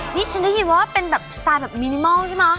นี่ฉันได้ยินว่าเป็นแบบสไตล์แบบมินิมอลใช่ไหม